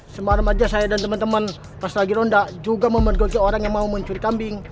semarem aja saya dan teman teman pas lagi ronda juga memergoki orang yang mau mencuri kambing